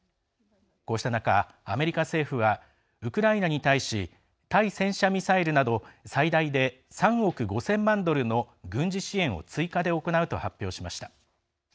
こうした中アメリカ政府はウクライナに対し対戦車ミサイルなど最大で３億５０００万ドルの軍事支援を追加で行うと発表しました。